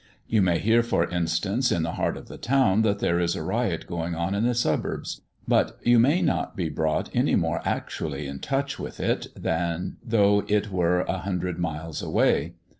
You may hear, for instance, in the heart of the town that there is a riot going on in the suburbs, but you may not be brought any more actually in touch with it than though it were a hundred miles away.